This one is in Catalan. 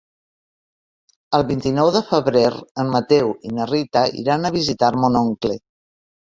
El vint-i-nou de febrer en Mateu i na Rita iran a visitar mon oncle.